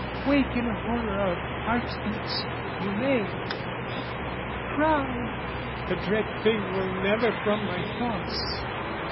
Wake in a horror of heart beats, you may Cry, "The dread thing will never from my thoughts!"